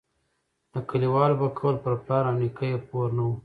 د کلیوالو په قول پر پلار او نیکه یې پور نه وو.